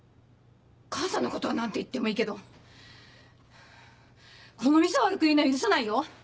母さんのことは何て言ってもいいけどこの店を悪く言うのは許さないよ。